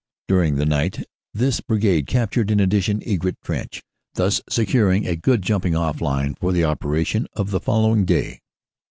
During the night this Brigade captured in addition Egret Trench, thus securing a good jumping ofl line for the operation of the following day.